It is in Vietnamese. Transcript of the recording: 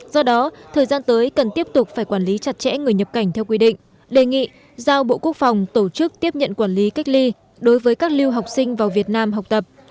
do đó thời gian tới cần tiếp tục phải quản lý chặt chẽ người nhập cảnh theo quy định đề nghị giao bộ quốc phòng tổ chức tiếp nhận quản lý cách ly đối với các lưu học sinh vào việt nam học tập